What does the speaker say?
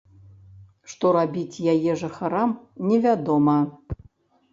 Што рабіць яе жыхарам, невядома.